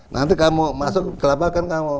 nanti kamu masuk ke lapangan kamu